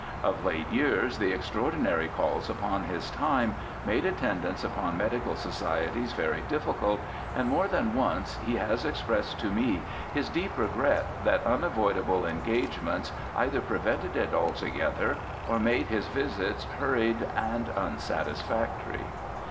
Of late years the extra ordinary calls upon his time made attendance upon medical societies very difficult, and more than once he has expressed to me his deep regret that unavoidable engagements either prevented it altogether or made his visits hurried and unsatisfactory.